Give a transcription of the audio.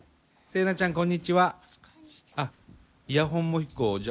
セイナちゃんこんにちは。